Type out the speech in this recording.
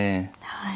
はい。